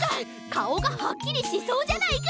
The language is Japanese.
かおがはっきりしそうじゃないか！